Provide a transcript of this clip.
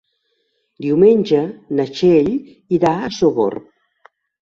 Diumenge na Txell irà a Sogorb.